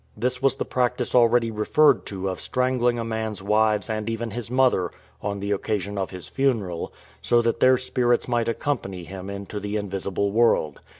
This was the practice already referred to of strangling a man's wives and even his mother on the occasion of his funeral, so that their spirits might accompany him into the in visible world.